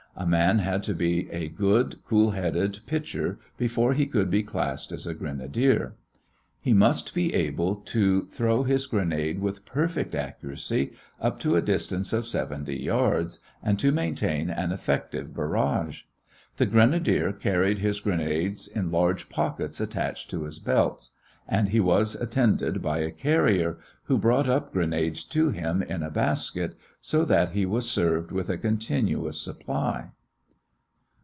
A man had to be a good, cool headed pitcher before he could be classed as a grenadier. He must be able to throw his grenade with perfect accuracy up to a distance of seventy yards, and to maintain an effective barrage. The grenadier carried his grenades in large pockets attached to his belt, and he was attended by a carrier who brought up grenades to him in baskets, so that he was served with a continuous supply.